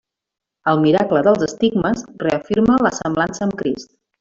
El miracle dels estigmes reafirma la semblança amb Crist.